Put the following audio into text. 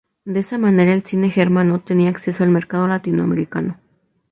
De esa manera el cine germano tenía acceso al mercado latinoamericano.